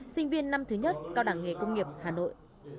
sinh viên năm thứ nhất cao đẳng nghề công nghiệp hà nội